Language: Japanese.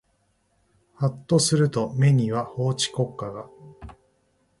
はっとすると目には法治国家が